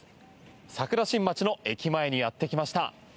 桜新町の駅前にやってきました。